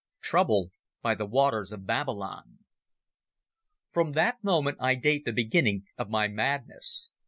Trouble by The Waters of Babylon From that moment I date the beginning of my madness.